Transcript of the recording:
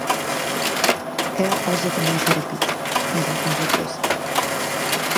É a frase que máis se repite, mesmo con sorpresa.